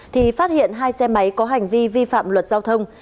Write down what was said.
thì phát hiện hai xe máy có hành vi vi phạm luật giao thông